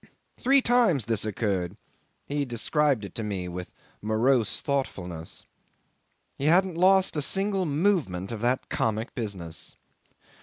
Three times this occurred. He described it to me with morose thoughtfulness. He hadn't lost a single movement of that comic business.